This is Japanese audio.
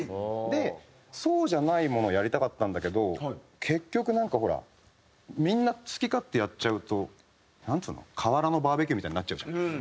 でそうじゃないものをやりたかったんだけど結局なんかほらみんな好き勝手やっちゃうとなんつうの？河原のバーベキューみたいになっちゃうじゃない？